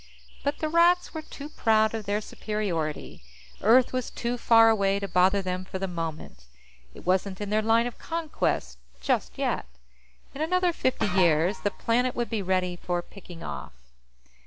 But the Rats were too proud of their superiority. Earth was too far away to bother them for the moment; it wasn't in their line of conquest just yet. In another fifty years, the planet would be ready for picking off.